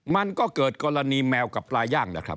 มันก็เกิดกรณีแมวกับปลาย่างนะครับ